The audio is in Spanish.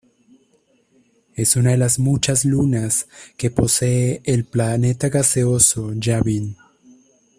Es una de las muchas lunas que posee el planeta gaseoso Yavin.